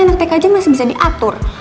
anak tk aja masih bisa diatur